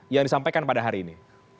yang disampaikan pada hari ini